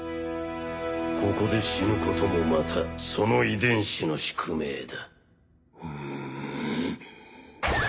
ここで死ぬこともまたその遺伝子の宿命だ。